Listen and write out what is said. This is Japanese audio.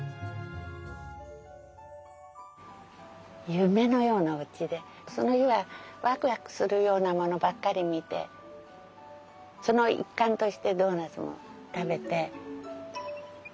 夢のようなおうちでその日はワクワクするようなものばっかり見てその一環としてドーナツも食べて。